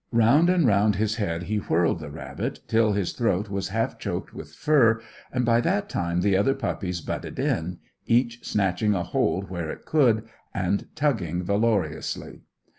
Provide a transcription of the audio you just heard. Round and round his head he whirled the rabbit till his throat was half choked with fur, and by that time the other puppies butted in, each snatching a hold where it could, and tugging valorously.